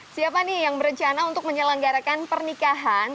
siapa nih yang berencana untuk menyelenggarakan pernikahan